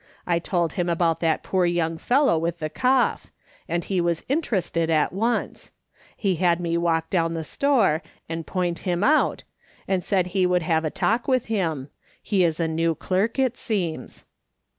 I told him about that poor young fellow with the cough, and he was in terested at once ; he had me walk down the store and point him out, and said he would have a talk with him ; he is a new clerk, it seems.